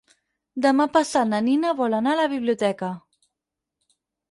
Demà passat na Nina vol anar a la biblioteca.